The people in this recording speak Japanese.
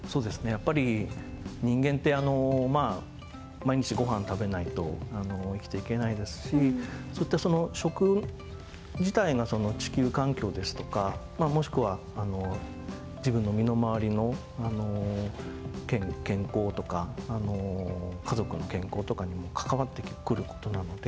やっぱり人間ってまあ毎日ご飯食べないと生きていけないですしそういったその食自体が地球環境ですとかもしくは自分の身の回りの健康とか家族の健康とかにも関わってくる事なので。